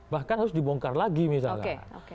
bahkan harus dibongkar lagi misalnya